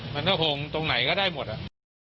มันก็คงตรงไหนก็ได้หมดอ่ะ